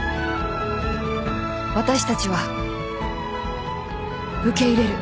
［私たちは受け入れる］